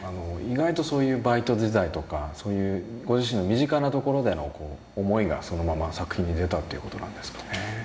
意外とバイト時代とかそういうご自身の身近なところでの思いがそのまま作品に出たって事なんですかね。